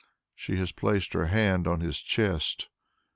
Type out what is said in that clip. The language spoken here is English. She has placed her hand on his chest.